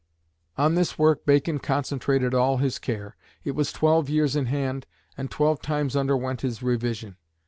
On this work Bacon concentrated all his care. It was twelve years in hand, and twelve times underwent his revision.